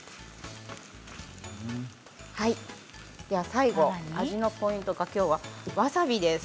最後、味のポイントがきょうはわさびです。